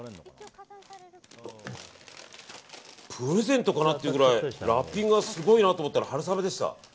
プレゼントかなっていうくらいラッピングがすごいなと思ったら春雨でした。